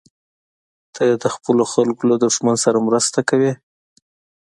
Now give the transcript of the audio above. ته د خپلو خلکو له دښمن سره مرسته کوې.